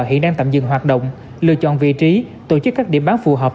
hiện đang tạm dừng hoạt động lựa chọn vị trí tổ chức các điểm bán phù hợp